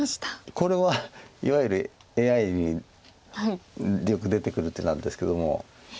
これはいわゆるＡＩによく出てくる手なんですけども。